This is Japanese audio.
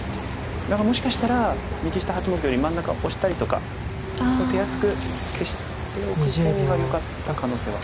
だからもしかしたら右下８目より真ん中オシたりとか手厚く消しておく方がよかった可能性は。